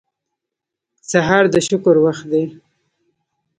سهار د شکر وخت دی.